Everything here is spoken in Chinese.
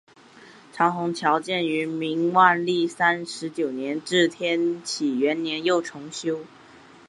长虹桥建于明万历三十九年至天启元年又重修。